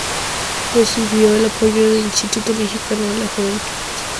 Recibió el apoyo de Instituto Mexicano de la Juventud.